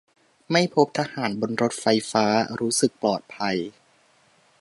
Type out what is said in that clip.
ไม่พบทหารบนรถไฟฟ้า รู้สึกปลอดภัย